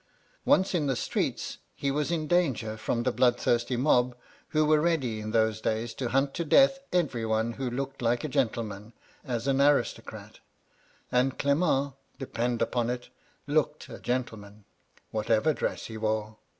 Once in the streets, he was in danger from the bloodthirsty mob, who were ready in those days to hunt to death every one who looked like a gentleman, as an aristocrat : and Clement, depend upon it, looked a gentleman, whatever dress he wore.